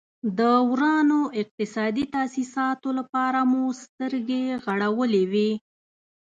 د ورانو اقتصادي تاسیساتو لپاره مو سترګې غړولې وې.